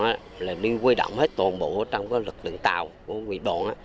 nó là đi quê động hết tồn bộ trong lực lượng tàu của người bọn